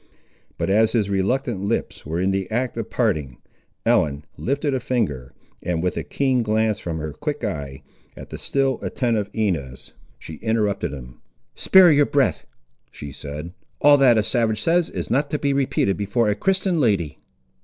But as his reluctant lips were in the act of parting, Ellen lifted a finger, and with a keen glance from her quick eye, at the still attentive Inez, she interrupted him. "Spare your breath," she said, "all that a savage says is not to be repeated before a Christian lady."